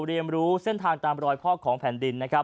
เรียมรู้เส้นทางตามรอยพอกของแผ่นดิน